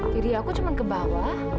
jadi aku cuma ke bawah